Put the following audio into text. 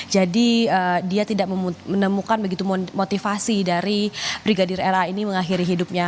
jadi dia tidak menemukan begitu motivasi dari brigadir ra ini mengakhiri hidupnya